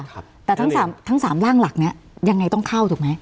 ค่ะแต่ทั้ง๓ร่างหลักเนี่ยยังไงต้องเข้าถูกไหม